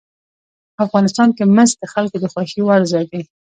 افغانستان کې مس د خلکو د خوښې وړ ځای دی.